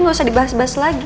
nggak usah dibahas bahas lagi